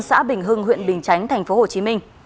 xã bình hưng huyện bình chánh tp hcm